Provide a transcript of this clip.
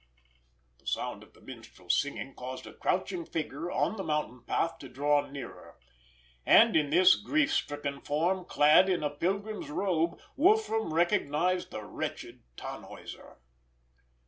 The sound of the Minstrel's singing caused a crouching figure on the mountain path to draw nearer; and in this grief stricken form, clad in a pilgrim's robe, Wolfram recognised the wretched Tannhäuser.